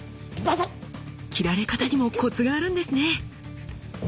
斬られ方にもコツがあるんですね。